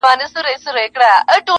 هغه د پېښې حقيقت غواړي ډېر